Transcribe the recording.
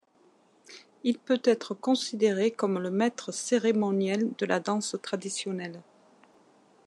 Il peut être considéré comme le maitre cérémoniel de la danse traditionnelle.